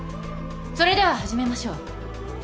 それでは始めましょう。